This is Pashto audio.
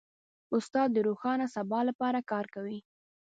استاد د روښانه سبا لپاره کار کوي.